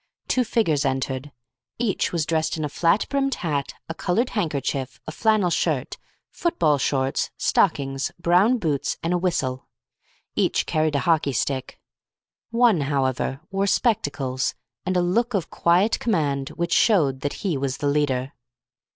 Two figures entered. Each was dressed in a flat brimmed hat, a coloured handkerchief, a flannel shirt, football shorts, stockings, brown boots, and a whistle. Each carried a hockey stick. One, however, wore spectacles and a look of quiet command which showed that he was the leader.